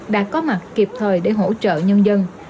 đã có mặt kịp thời để hỗ trợ nhân dân